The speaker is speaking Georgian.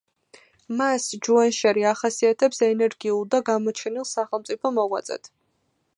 მას ჯუანშერი ახასიათებს ენერგიულ და გამოჩენილ სახელმწიფო მოღვაწედ.